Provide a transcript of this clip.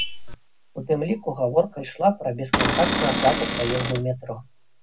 У тым ліку гаворка ішла пра бескантактную аплату праезду ў метро.